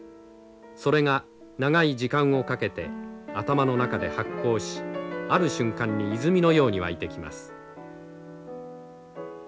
それが長い時間をかけて頭の中で発酵しある瞬間に泉のように湧いてきます。